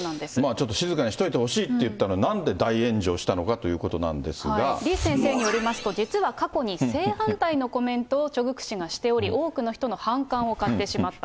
ちょっと静かにしといてほしいと言ったら、なんで大炎上した李先生によりますと、実は過去に正反対のコメントをチョ・グク氏がしており、多くの人の反感をかってしまった。